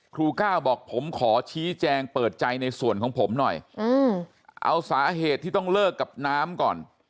ก้าวบอกผมขอชี้แจงเปิดใจในส่วนของผมหน่อยเอาสาเหตุที่ต้องเลิกกับน้ำก่อน